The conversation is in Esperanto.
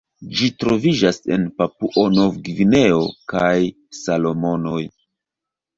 Ĝi troviĝas en Papuo-Novgvineo kaj Salomonoj.